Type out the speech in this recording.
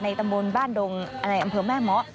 ในตะมนต์บ้านดงในอำเภอแม่หมอ